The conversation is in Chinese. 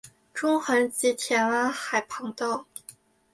中环及田湾海旁道。